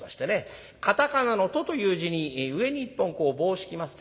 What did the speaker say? カタカナのトという字に上に１本棒を引きます